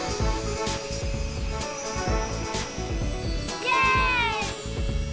イエーイ！